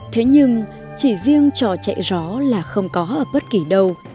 thế nhưng chỉ riêng trò chạy gió là không có ở bất kỳ đâu